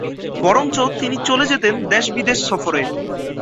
বরঞ্চ তিনি চলে যেতেন দেশ বিদেশ সফরে।